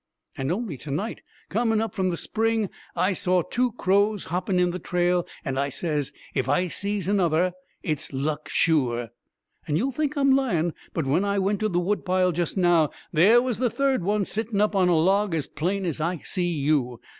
And only to night, comin' up from the spring, I saw two crows hopping in the trail, and I says, 'If I see another, it's luck, sure!' And you'll think I'm lyin', but when I went to the wood pile just now there was the third one sittin' up on a log as plain as I see you.